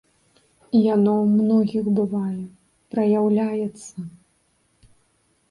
Яно ў многіх бывае, праяўляецца.